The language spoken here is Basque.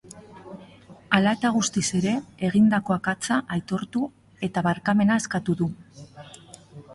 Hala eta guztiz ere, egindako akatsa aitortu eta barkamena eskatu du.